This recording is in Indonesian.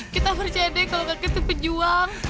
kita bercanda kalau kakek itu pejuang